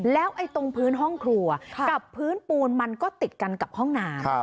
แล้วตรงพื้นห้องครัวกับพื้นปูนมันก็ติดกันกับห้องน้ำ